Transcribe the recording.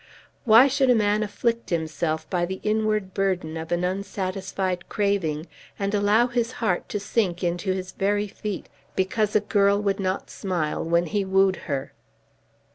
Why should a man afflict himself by the inward burden of an unsatisfied craving, and allow his heart to sink into his very feet because a girl would not smile when he wooed her?